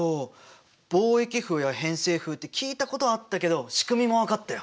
貿易風や偏西風って聞いたことはあったけど仕組みも分かったよ。